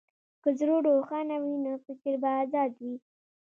که زړه روښانه وي، نو فکر به ازاد وي.